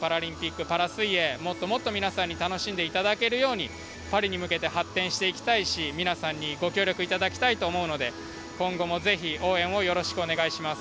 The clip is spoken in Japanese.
もっともっと皆さんに楽しんでいただけるようにパリに向けて発展していきたいし皆さんにご協力いただきたいと思うので今後も是非応援をよろしくお願いします。